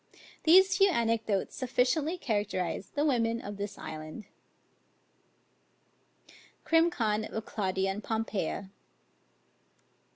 These few anecdotes sufficiently characterise the women of this island. CRIM. CON. OF CLAUDIUS AND POMPEIA.